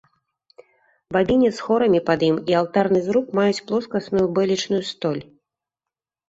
Бабінец з хорамі пад ім і алтарны зруб маюць плоскасную бэлечную столь.